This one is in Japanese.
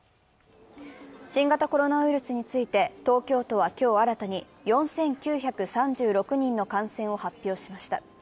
新型コロナウイルスについて東京都は今日新たに４９３６人の感染を発表しました。